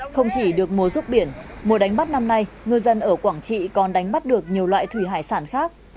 không chỉ được mùa ruốc biển mùa đánh bắt năm nay ngư dân ở quảng trị còn đánh bắt được nhiều loại thủy hải sản khác